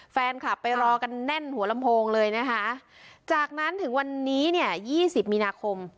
แฟนคลับไปรอกันแน่นหัวลำโพงเลยนะคะจากนั้นถึงวันนี้เนี่ยยี่สิบมีนาคม